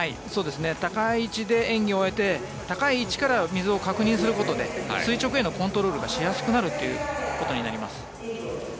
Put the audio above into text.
高い位置で演技を終えて高い位置から水を確認することで垂直へのコントロールがしやすくなるということになります。